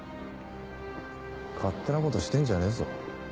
勝手なことしてんじゃねえぞ。